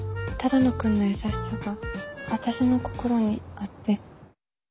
只野くんの優しさが私の心にあって。